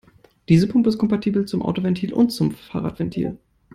Diese Pumpe ist kompatibel zum Autoventil und zum Fahrradventil.